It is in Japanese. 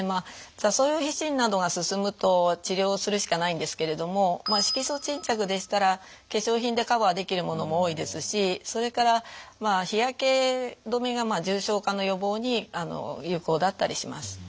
ざ瘡様皮疹などが進むと治療するしかないんですけれどもまあ色素沈着でしたら化粧品でカバーできるものも多いですしそれから日焼け止めが重症化の予防に有効だったりします。